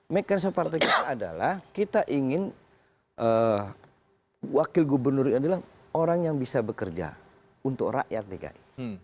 mekanism partai kita ingin wakil gubernur yang bilang orang yang bisa bekerja untuk rakyat pki